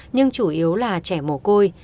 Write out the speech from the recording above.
nhưng chủ yếu là trẻ mổ côi